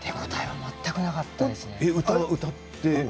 全くなかったんです。